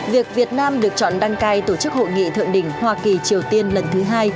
việc việt nam được chọn đăng cai tổ chức hội nghị thượng đỉnh hoa kỳ triều tiên lần thứ hai